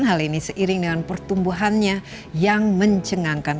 hal ini seiring dengan pertumbuhannya yang mencengangkan